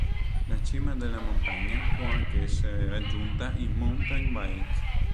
La cima della montagna può anche essere raggiunta in mountain bike.